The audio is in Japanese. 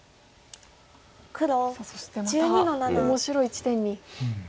そしてまた面白い地点に。